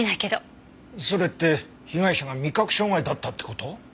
それって被害者が味覚障害だったって事？